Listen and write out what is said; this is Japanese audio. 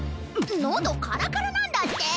のどカラカラなんだって！